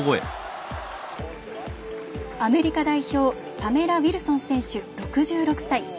アメリカ代表パメラ・ウィルソン選手、６６歳。